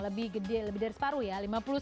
lebih dari separuh ya